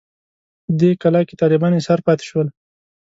په دې کلا کې طالبان ایسار پاتې شول.